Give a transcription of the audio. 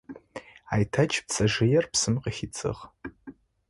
Айтэч пцэжъыер псым къыхидзыгъ.